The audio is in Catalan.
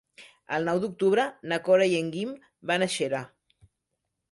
El nou d'octubre na Cora i en Guim van a Xera.